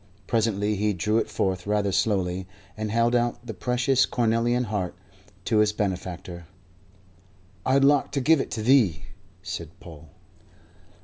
Presently he drew it forth rather slowly, and held out the precious cornelian heart to his benefactor. "I 'ud like to give it thee," said Paul.